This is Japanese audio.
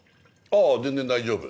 あぁ全然大丈夫。